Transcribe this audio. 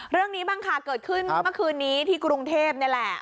เรื่องนี้บ้างค่ะเกิดขึ้นที่กรุงเทพฯนี่แหละ